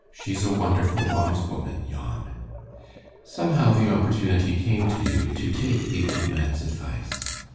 She's a wonderful wise woman, yon." Somehow the opportunity came to Hughie to take the old man's advice.